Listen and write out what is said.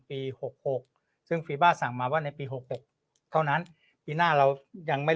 ปี๖๖ซึ่งฟีบ้าสั่งมาว่าในปี๖๖เท่านั้นปีหน้าเรายังไม่